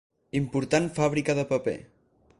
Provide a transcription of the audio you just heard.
Important fàbrica de paper.